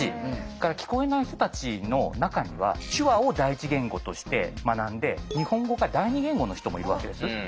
それから聞こえない人たちの中には手話を第一言語として学んで日本語が第二言語の人もいるわけです。